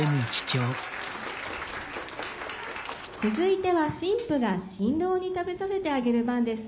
・続いては新婦が新郎に食べさせてあげる番です。